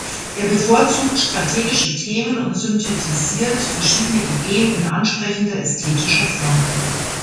Er bevorzugt strategische Themen und synthetisiert verschiedene Ideen in ansprechender ästhetischer Form.